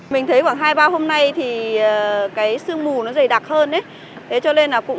mình thấy khoảng hai ba hôm nay thì cái xương mù nó dày đặc hơn